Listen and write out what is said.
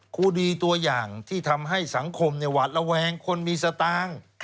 ครูดีตัวอย่างที่ทำให้สังคมหวาดระแวงคนมีสตางค์